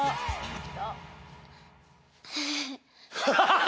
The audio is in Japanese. ハハハハ！